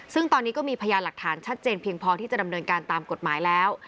ซึ่งตอนนี้ก็มีพยานหลักฐานชัดเจนเพียงพอที่จะดำเนินการตามกฎหมายแล้ว